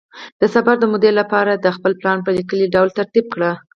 د سفر د مودې لپاره خپل پلان په لیکلي ډول ترتیب کړه.